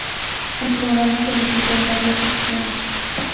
El programa se divide en varias secciones.